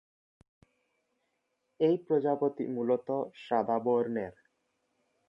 এই প্রজাপতি মূলত: সাদা বর্ণের।